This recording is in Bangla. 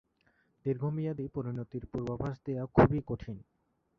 দীর্ঘমেয়াদী পরিণতির পূর্বাভাস দেয়া খুবই কঠিন।